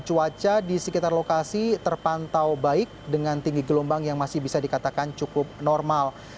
dan cuaca di sekitar lokasi terpantau baik dengan tinggi gelombang yang masih bisa dikatakan cukup normal